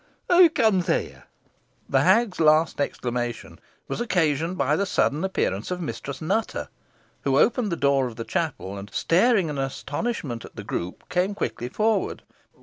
who comes here?" The hag's last exclamation was occasioned by the sudden appearance of Mistress Nutter, who opened the door of the chapel, and, staring in astonishment at the group, came quickly forward.